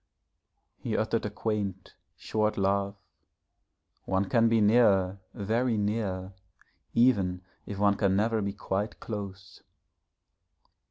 He uttered a quaint, short laugh. 'One can be near very near, even if one can never be quite close.'